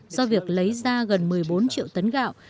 do việc lấy ra gần một mươi bốn triệu tấn gạo